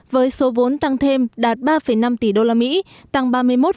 với số vốn tăng thêm đạt ba năm tỷ đô la mỹ tăng ba mươi một bốn